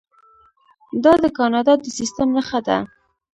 دا د کاناډا د سیستم نښه ده.